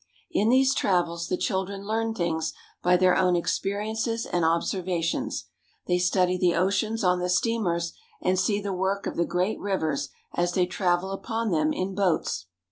In these travels the children learn things by their own experiences and observations. They study the oceans on the steamers, and see the work of the great rivers as they travel upon them in boats.